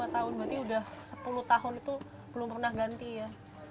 lima tahun berarti udah sepuluh tahun itu belum pernah ganti ya